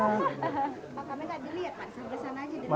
pak kami gak dilihat pak